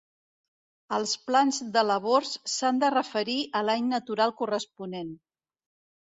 Els plans de labors s'han de referir a l'any natural corresponent.